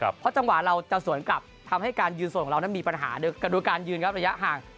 เพราะจังหวะเราจะสวนกลับทำให้การยืนส่งของเรานั้นมีปัญหาโดยการยืนครับระยะห่าง